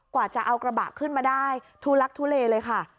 กว่าจะเอากระบะขึ้นมาได้ทุลักทุเลเลยค่ะ